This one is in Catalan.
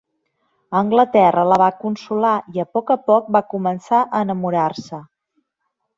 Anglaterra la va consolar i a poc a poc va començar a enamorar-se.